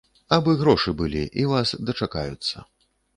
Абы грошы былі, і вас дачакаюцца.